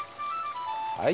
はい。